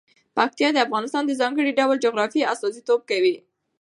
پکتیا د افغانستان د ځانګړي ډول جغرافیه استازیتوب کوي.